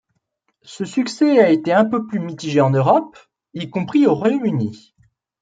Ce succès a été un peu plus mitigé en Europe, y compris au Royaume-Uni.